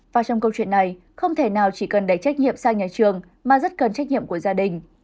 và trong câu chuyện này không thể nào chỉ cần đẩy trách nhiệm sang nhà trường mà rất cần trách nhiệm của gia đình